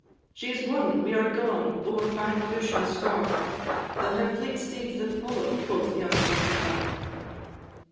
"She is won! we are gone, over bank, bush, and scaur; They 'll have fleet steeds that follow," quoth young Lochinvar.